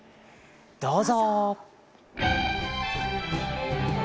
どうぞ。